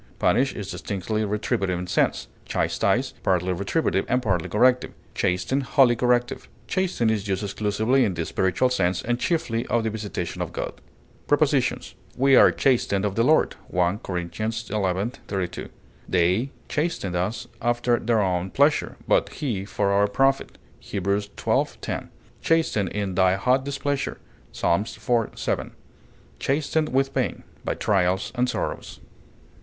Punish is distinctly retributive in sense; chastise, partly retributive, and partly corrective; chasten, wholly corrective. Chasten is used exclusively in the spiritual sense, and chiefly of the visitation of God. Prepositions: "We are chastened of the Lord," 1 Cor. xi, 32; "they ... chastened us after their own pleasure, but He for our profit," Heb. xii, 10; "chasten in thy hot displeasure," Ps. iv, 7; chasten with pain; by trials and sorrows.